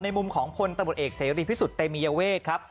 มุมของพลตำรวจเอกเสรีพิสุทธิ์เตมียเวทครับ